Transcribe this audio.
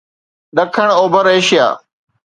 ڏکڻ اوڀر ايشيا